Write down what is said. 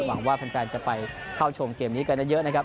หวังว่าแฟนจะไปเข้าชมเกมนี้กันเยอะนะครับ